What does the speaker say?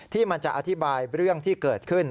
ที่มันจะอธิบายเรื่องที่เกิดขึ้น